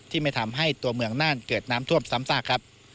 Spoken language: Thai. ไม่ทำให้ตัวเมืองน่านเกิดน้ำท่วมซ้ำซากครับ